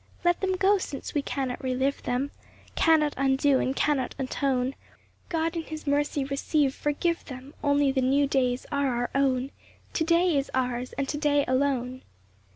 Let them go, since we cannot re live them, Cannot undo and cannot atone ; 1 6 NEW EVERY MORNING. God in his mercy receive, forgive them ! Only the new days are our own ; To day is ours, and to day alone.